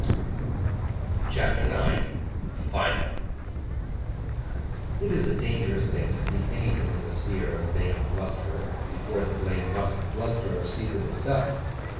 CHAPTER IX FINAL IT is a dangerous thing to see anything in the sphere of a vain blusterer, before the vain blusterer sees it himself.